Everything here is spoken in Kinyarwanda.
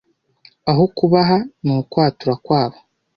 aho kubaha ni ukwatura kwabo